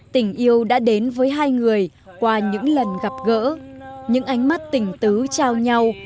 tình yêu đã đến với hai người qua những lần gặp gỡ những ánh mắt tình tứ trao nhau